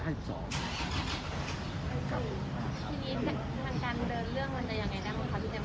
ทีนี้ทางการเดินเรื่องมันจะยังไงได้บ้างคะพี่เต็ม